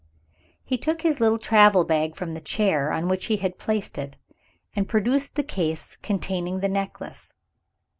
He took his little traveling bag from the chair on which he had placed it, and produced the case containing the necklace.